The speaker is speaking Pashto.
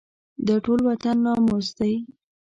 دا ټول وطن ناموس دی.